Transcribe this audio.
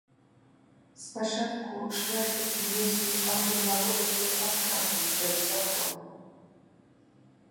Спачатку шляхціцы неслі агульнародавую адказнасць перад законам.